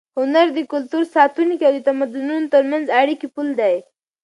هنر د کلتور ساتونکی او د تمدنونو تر منځ د اړیکې پُل دی.